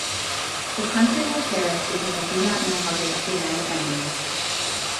The country will perish because you do not know how to recognize enemies.